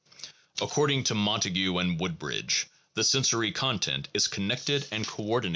According to Montague and Woodbridge, the sensory content is connected and coordinated No.